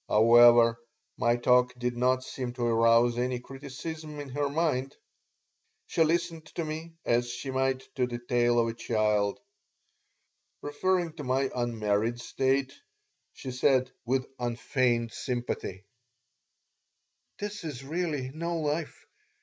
However, my talk did not seem to arouse any criticism in her mind. She listened to me as she might to the tale of a child Referring to my unmarried state, she said, with unfeigned sympathy: "This is really no life.